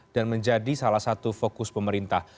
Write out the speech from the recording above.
dan menjadi salah satu fokus pemerintah